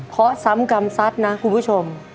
ขอซ้ำกรรมซัดนะคุณผู้ชม